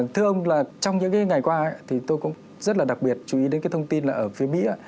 thưa ông trong những ngày qua tôi cũng rất đặc biệt chú ý đến thông tin là ở việt nam